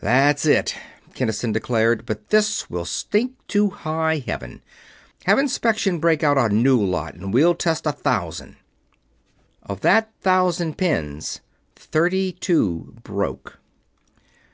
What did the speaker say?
"That's it." Kinnison declared. "But this will stink to high Heaven have Inspection break out a new lot and we'll test a thousand." Of that thousand pins, thirty two broke.